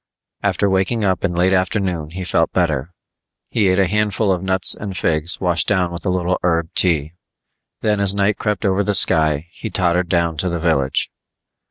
After waking up in late afternoon he felt better. He ate a handful of nuts and figs washed down with a little herb tea. Then as night crept over the sky, he tottered down to the village.